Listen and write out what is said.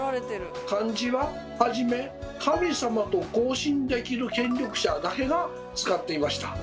漢字は初め神様と交信できる権力者だけが使っていました。